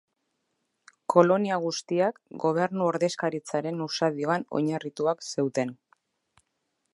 Kolonia guztiak gobernu ordezkaritzaren usadioan oinarrituak zeuden.